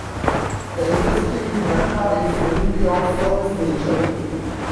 The industry in Nacka is mainly of service nature.